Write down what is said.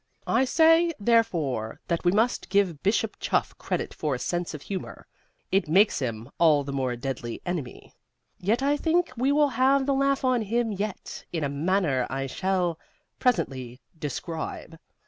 "I say therefore that we must give Bishop Chuff credit for a sense of humor. It makes him all the more deadly enemy. Yet I think we will have the laugh on him yet, in a manner I shall presently describe.